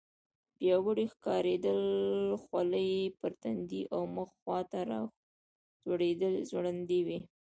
پیاوړي ښکارېدل، خولۍ یې پر تندي او مخ خواته راځوړندې وې.